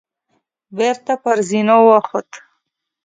بېرته پر زينو وخوت.